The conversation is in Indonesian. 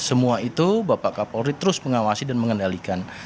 semua itu bapak kapolri terus mengawasi dan mengendalikan